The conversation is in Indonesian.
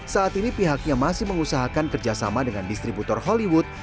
saat ini pihaknya masih mengusahakan kerjasama dengan distributor hollywood